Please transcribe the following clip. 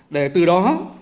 để từ đó